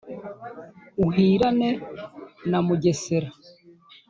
Uhirane na Mugesera.